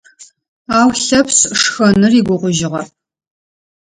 Ау Лъэпшъ шхэныр игугъужьыгъэп.